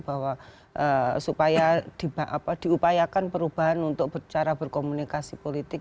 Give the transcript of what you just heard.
bahwa supaya diupayakan perubahan untuk cara berkomunikasi politik